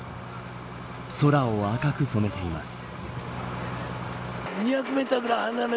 空を赤く染めています。